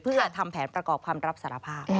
เพื่อทำแผนประกอบคำรับสารภาพ